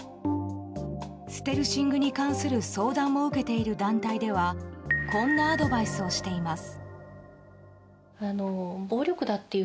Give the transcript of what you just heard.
ステルシングに関する相談を受けている団体ではこんなアドバイスをしています。